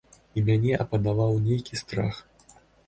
І мяне апанаваў нейкі страх.